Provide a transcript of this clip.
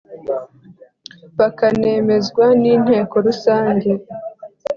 bakanemezwa n Inteko Rusange